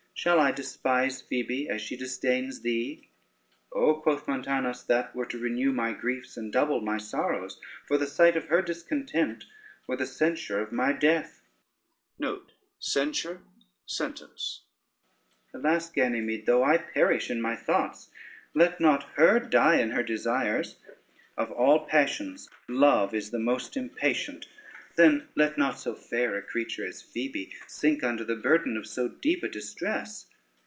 Shall I despise Phoebe, as she disdains thee?" "Oh," quoth Montanus, "that were to renew my griefs, and double my sorrows; for the sight of her discontent were the censure of my death. Alas, Ganymede! though I perish in my thoughts, let not her die in her desires. Of all passions, love is most impatient: then let not so fair a creature as Phoebe sink under the burden of so deep a distress.